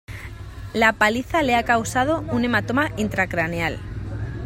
la paliza le ha causado un hematoma intracraneal.